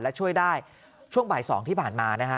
และช่วยได้ช่วงบ่าย๒ที่ผ่านมานะฮะ